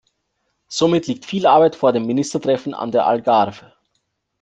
Somit liegt viel Arbeit vor dem Ministertreffen an der Algarve.